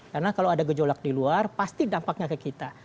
karena kalau ada gejolak di luar pasti dampaknya ke kita